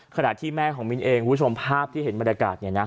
ขนาดที่แม่ของมิ้นเองผู้ชมภาพที่เห็นบรรยากาศ